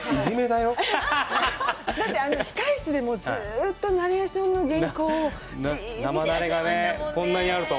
だって、控室でも、ずうっとナレーションの原稿をじっと。